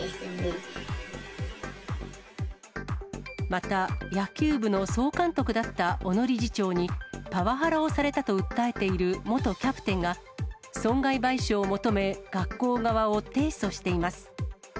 また、野球部の総監督だった小野理事長に、パワハラをされたと訴えている元キャプテンが、損害賠償を求め、学校側を提訴しています。